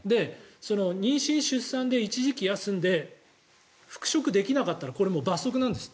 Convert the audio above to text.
妊娠・出産で一時期休んで復職できなかったらこれは罰則なんですって。